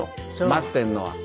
待ってるのは。